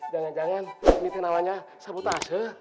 jangan jangan ini ternyata namanya sabotase